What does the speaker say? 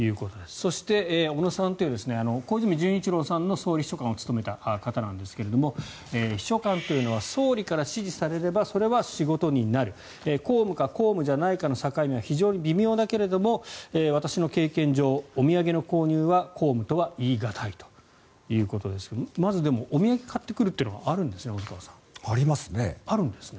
そして、小野さんという小泉純一郎さんの総理秘書官を務めた方なんですが秘書官というのは総理から指示されればそれは仕事になる公務か公務じゃないかの境目は非常に微妙だけれども私の経験上お土産の購入は公務とは言い難いということですがまず、お土産を買ってくるというのはあるんですね、細川さん。ありますね。